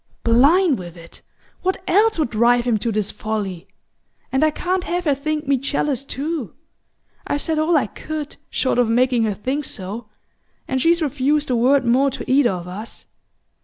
"Blind with it what else would drive him to this folly? And I can't have her think me jealous too! I've said all I could, short of making her think so; and she's refused a word more to either of us.